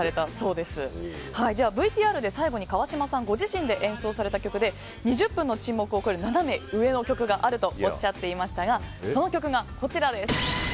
ではＶＴＲで最後に川島さんご自身で演奏された曲で２０分の沈黙を送るナナメ上の曲があるとおっしゃっていましたがその曲がこちらです。